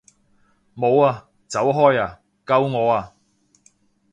冇啊！走開啊！救我啊！